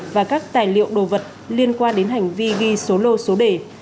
và các tài liệu đồ vật liên quan đến hành vi ghi số lô số đề